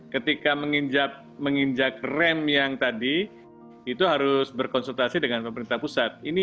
ketika menginjak rem yang tadi itu harus berkonsultasi dengan pemerintah pusat